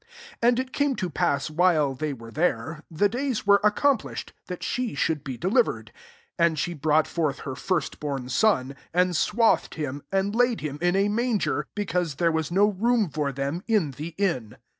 6^ And it came topassy whUe thty were thercy the days were ^accomplished that she should be delivered^ 7 And she brought f[yfth her Jh^t bom son^ and s^arathed himy aM hdd him ik a makgeTi beeauwe there WOO tio^ toomfor them' in theinn.